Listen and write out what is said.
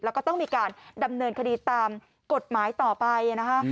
แล้วก็ต้องมีการดำเนินคดีตามกฎหมายต่อไปนะคะ